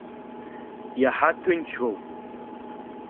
Иаҳа ҭынчроуп.